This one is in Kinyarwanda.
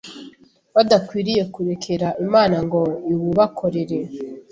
badakwiriye kurekera Imana ngo iwubakorere